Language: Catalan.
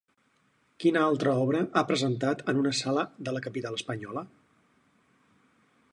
Quina altra obra ha presentat en una sala de la capital espanyola?